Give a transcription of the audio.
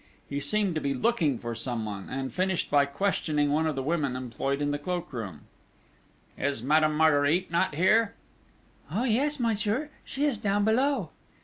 He seemed to be looking for someone, and finished by questioning one of the women employed in the cloak room: "Is Madame Marguerite not here?" "Oh, yes, monsieur, she is down below."